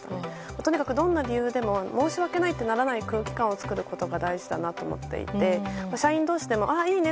とにかく、どんな理由でも申し訳ならないという空気感を作ることが大事だなと思っていて社員同士でもいいね！